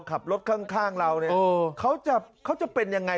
ขับรถข้างเราเนี่ยเขาจะเป็นยังไง